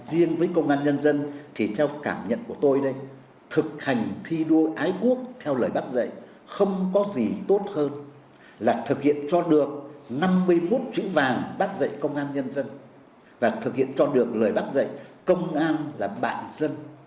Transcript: riêng với công an nhân dân thì theo cảm nhận của tôi đây thực hành thi đua ái quốc theo lời bác dạy không có gì tốt hơn là thực hiện cho được năm mươi một chữ vàng bác dạy công an nhân dân và thực hiện cho được lời bác dạy công an là bạn dân